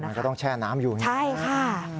มันก็ต้องแช่น้ำอยู่ไงใช่ค่ะ